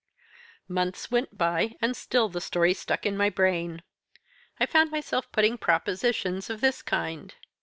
"Months went by, and still the story stuck in my brain. I found myself putting propositions of this kind.